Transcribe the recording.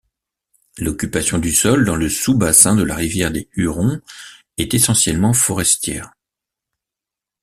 L’occupation du sol dans le sous-bassin de la rivière des Hurons est essentiellement forestière.